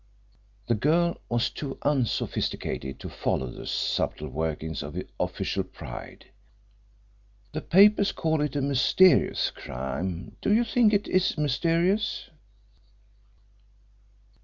The girl was too unsophisticated to follow the subtle workings of official pride. "The papers call it a mysterious crime. Do you think it is mysterious?"